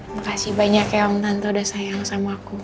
makasih banyak ya om tante udah sayang sama aku